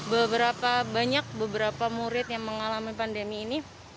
beberapa banyak beberapa murid yang mengalami pandemi ini